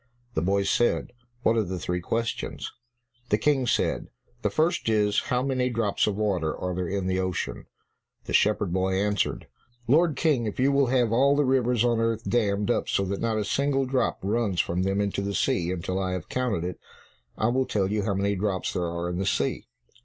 The boy said, "What are the three questions?" The King said, "The first is, how many drops of water are there in the ocean?" The shepherd boy answered, "Lord King, if you will have all the rivers on earth dammed up so that not a single drop runs from them into the sea until I have counted it, I will tell you how many drops there are in the sea."